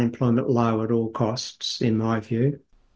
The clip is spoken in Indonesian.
dengan rendah pada semua kos menurut saya